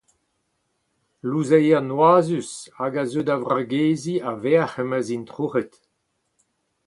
Louzeier noazus hag a zeu da vrageziñ a-vec'h ma'z int troc'het.